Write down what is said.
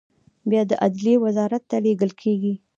بیا عدلیې وزارت ته لیږل کیږي.